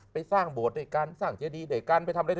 ไปสร้างโบสถ์ด้วยกัน